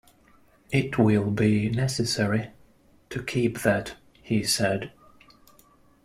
"It will be necessary to keep that," he said.